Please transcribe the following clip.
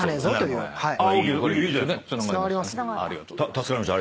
助かりました。